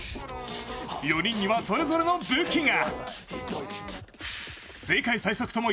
４人にはそれぞれの武器が。